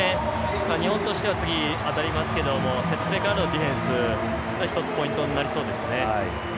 日本としては次、当たりますけどセットプレーからのディフェンスが一つ、ポイントになりそうですね。